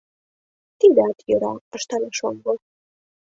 — Тидат йӧра, — ыштале шоҥго.